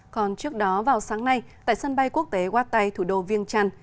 còn trước đó vào sáng nay tại sân bay quốc tế hoa tây thủ đô viêng trần